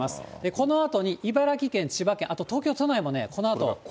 このあとに茨城県、千葉県、あと東京都内もこのあと。